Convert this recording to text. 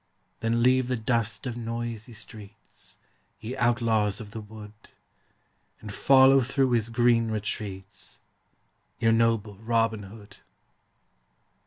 Then leave the dust of noisy streets, Ye outlaws of the wood, And follow through his green retreats Your noble Robin Hood.